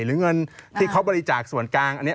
หรือเงินที่เขาบริจาคส่วนกลางอันนี้